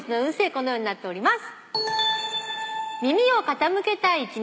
このようになっております。